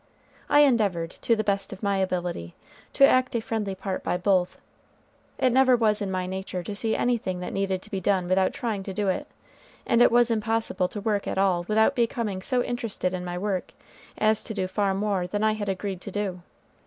I endeavored, to the best of my ability, to act a friendly part by both. It never was in my nature to see anything that needed to be done without trying to do it, and it was impossible to work at all without becoming so interested in my work as to do far more than I had agreed to do.